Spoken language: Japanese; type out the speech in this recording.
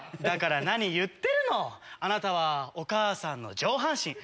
だから何言ってるのあなたはお母さんの上半身。